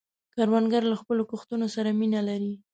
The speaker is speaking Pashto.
کروندګر له خپلو کښتونو سره مینه لري